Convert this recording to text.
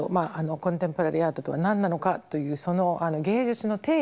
「コンテンポラリーアートとは何なのか」という芸術の定義をですね